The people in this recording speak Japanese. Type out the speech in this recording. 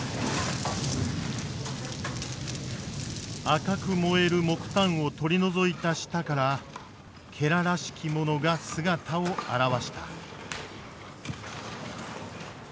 赤く燃える木炭を取り除いた下かららしきものが姿を現した。